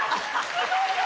すごいよ。